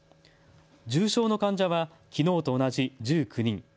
重症の患者はきのうと同じ１９人。